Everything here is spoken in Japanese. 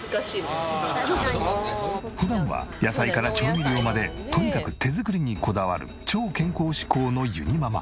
普段は野菜から調味料までとにかく手作りにこだわる超健康志向のゆにママ。